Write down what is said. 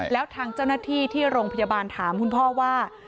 แล้วทางเจ้าหน้าที่ที่โรงพยาบาลถามคุณพ่อว่า